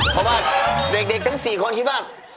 เพราะว่าเด็กทั้ง๔คนคิดว่า